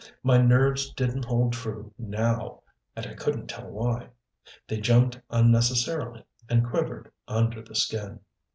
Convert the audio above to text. My nerves didn't hold true now and I couldn't tell why. They jumped unnecessarily and quivered under the skin.